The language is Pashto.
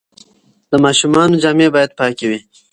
د ماشومانو جامې باید پاکې وي.